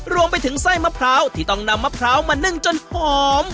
รวมไปถึงไส้มะพร้าวที่ต้องนำมะพร้าวมานึ่งจนหอม